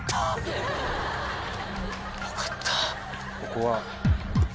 ここは。